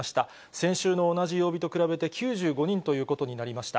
先週の同じ曜日と比べて、９５人ということになりました。